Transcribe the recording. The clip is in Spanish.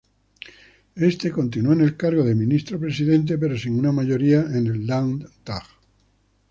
Este continuó en el cargo de ministro-presidente, pero sin una mayoría en el Landtag.